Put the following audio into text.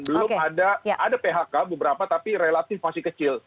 belum ada phk beberapa tapi relatif masih kecil